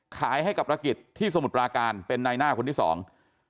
ขายให้กับประกิจที่สมุทรปราการเป็นนายหน้าคนที่สอง